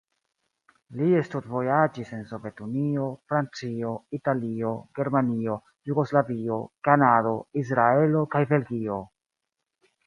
Li studvojaĝis en Sovetunio, Francio, Italio, Germanio, Jugoslavio, Kanado, Izraelo kaj Belgio.